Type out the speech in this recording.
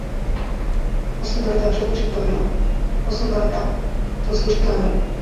অশ্রুধারায় তাঁর শ্বশ্রু সিক্ত হয়ে গেল।